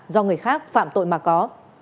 do người khác phạm tội mà có